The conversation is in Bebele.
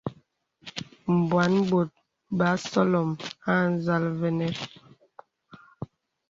Mbwàn bòt basɔlɔ̀m a nzàl vənə.